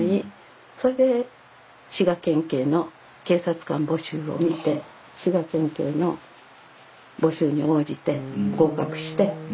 それで滋賀県警の警察官募集を見て滋賀県警の募集に応じて合格して。